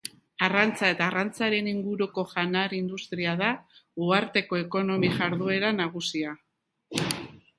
Arrantza eta arrantzaren inguruko janari-industria da uharteko ekonomia-jarduera nagusia.